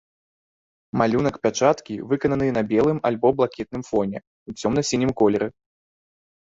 Малюнак пячаткі выкананы на белым альбо блакітным фоне ў цёмна-сінім колеры.